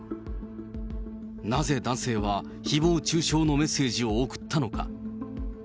なぜ男性は、ひぼう中傷のメッセージを送ったのか。